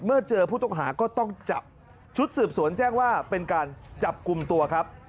เมื่อเจอผู้ต้องหาก็ต้องจับชุดสืบสวนแจ้งว่าเป็นการจับกลุ่มตัวครับ